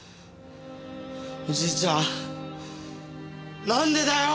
おじいちゃんなんでだよ！